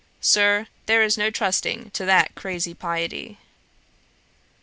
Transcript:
'Sir, there is no trusting to that crazy piety.'